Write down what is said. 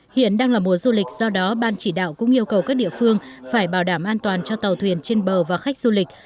hiện đang là mùa du lịch do đó ban chỉ đạo cũng yêu cầu các địa phương phải bảo đảm an toàn cho tàu thuyền trên bờ và khách du lịch